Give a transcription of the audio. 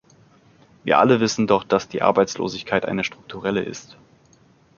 Wir alle wissen doch, dass die Arbeitslosigkeit eine strukturelle ist.